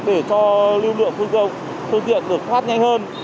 để cho lưu lượng phương tiện được thoát nhanh hơn